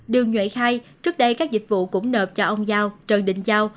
đường nhuệ khai trước đây các dịch vụ cũng nợp cho ông giao trần đình giao